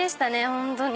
本当に。